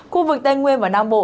khu vực tây nguyên và nam bộ